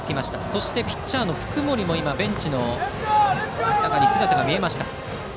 そしてピッチャーの福盛もベンチに姿が見えました。